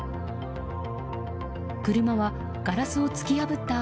車はガラスを突き破った